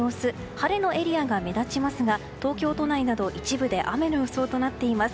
晴れのエリアが目立ちますが東京都内など一部で雨の予想となっています。